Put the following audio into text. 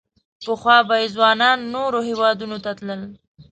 پخوا به یې ځوانان نورو هېوادونو ته تلل.